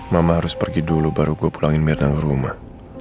mama harus pergi dulu baru gue pulangin mirna ke rumah